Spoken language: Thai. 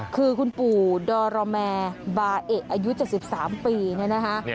คือคุณปู่ดอรแมบาเอะอายุ๗๓ปีเนี่ยนะคะ